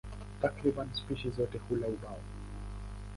Takriban spishi zote hula ubao.